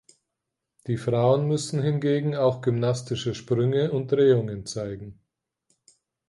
Die Frauen müssen hingegen auch gymnastische Sprünge und Drehungen zeigen.